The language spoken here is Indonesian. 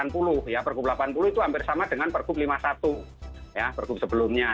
pergub delapan puluh itu hampir sama dengan pergub lima puluh satu ya pergub sebelumnya